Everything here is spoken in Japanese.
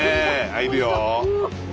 入るよ。